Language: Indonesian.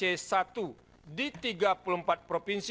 dengan data yang terdapat pada c satu